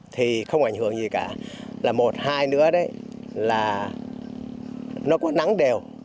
thì không ảnh hưởng gì cả là một hai nữa đấy là nó có nắng đều